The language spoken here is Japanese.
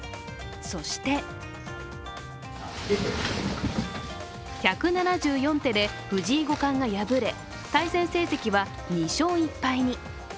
そして１７４手で藤井五冠が敗れ、対戦成績は２勝１敗に。